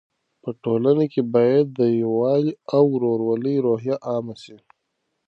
په ټولنه کې باید د یووالي او ورورولۍ روحیه عامه سي.